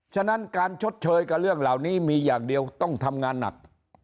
ฉะนั้นการชดเชยกับเรื่องเหล่านี้มีอย่างเดียวต้องทำงานหนัก